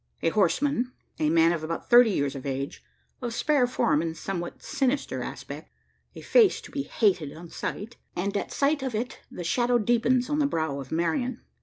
A horseman a man of about thirty years of age, of spare form and somewhat sinister aspect a face to be hated on sight. And at sight of it the shadow deepens on the brow of Marian.